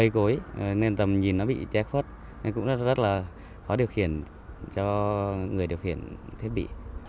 trong khu vực rừng thì nhiều cây cối nên tầm nhìn nó bị ché khuất nên cũng rất là khó điều khiển cho người điều khiển thiết bị